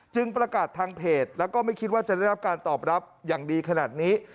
ประกาศทางเพจแล้วก็ไม่คิดว่าจะได้รับการตอบรับอย่างดีขนาดนี้